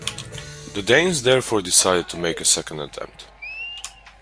The Danes therefore decided to make a second attempt.